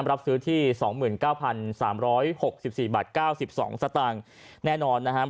รับซื้อที่๒๙๓๖๔บาท๙๒สตางค์แน่นอนนะครับ